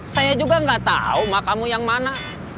saya juga gak tahu emak kamu yang mana